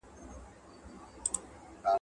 د سياسي کړنو سمه څارنه د فساد مخنيوی کوي.